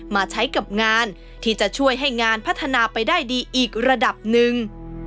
มาใช้กับงานที่จะช่วยให้งานพัฒนาไปได้ดีอีกระดับหนึ่ง